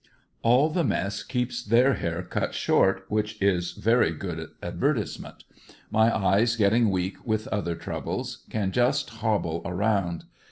All the mess keeps their hair cut short which is a very good adver tisement. My eyes getting wchk with other troubles. Can just hobble around.